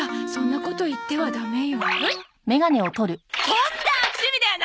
とんだ悪趣味だよな！